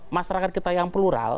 masyarakat kita yang plural